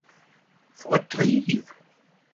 For eit driv!